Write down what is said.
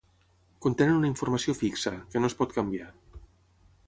Contenen una informació fixa, que no es pot canviar.